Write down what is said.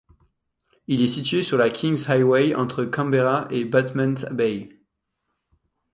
Il est situé sur la Kings Highway entre Canberra et Batemans Bay.